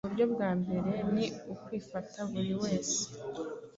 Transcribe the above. Uburyo bwa mbere ni ukwifata buri wese